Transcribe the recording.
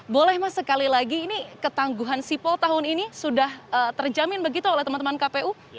boleh mas sekali lagi ini ketangguhan sipol tahun ini sudah terjamin begitu oleh teman teman kpu